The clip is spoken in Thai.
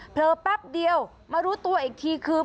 แป๊บเดียวมารู้ตัวอีกทีคือ